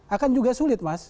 akan juga sulit mas